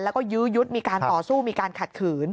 แล้วก็ยื้อยุดมีการต่อสู้มีการขัดขืน